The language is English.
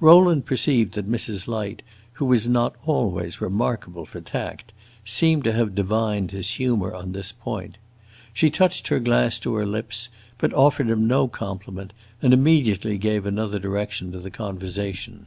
Rowland perceived that Mrs. Light, who was not always remarkable for tact, seemed to have divined his humor on this point. She touched her glass to her lips, but offered him no compliment and immediately gave another direction to the conversation.